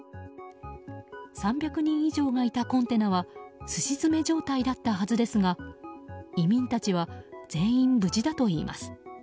３００人以上がいたコンテナはすし詰め状態だったはずですが移民たちは全員、無事だといいます。